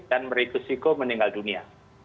dan merisiko meninggal dunia